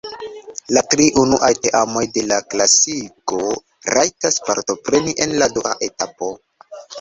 La tri unuaj teamoj de la klasigo rajtas partopreni en la dua etapo.